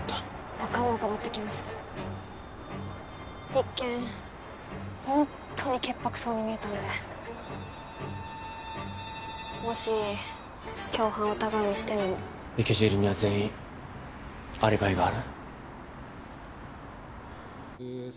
分かんなくなってきました一見ホントに潔白そうに見えたんでもし共犯を疑うにしても池尻には全員アリバイがある